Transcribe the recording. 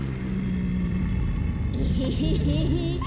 エヘヘヘヘ。